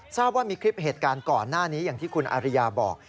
ทราบว่ามีคลิปเหตุการณ์ก่อนหน้านี้อย่างที่คุณอาริยาบอก